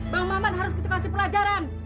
bang maman harus kita kasih pelajaran